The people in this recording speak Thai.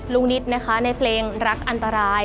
นิดนะคะในเพลงรักอันตราย